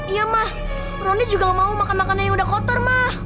iya mah roni juga gak mau makan makanan yang udah kotor mah